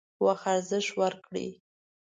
وخت ارزښت ورکړئ